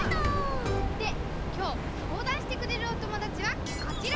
できょうそうだんしてくれるおともだちはこちら！